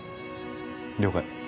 了解。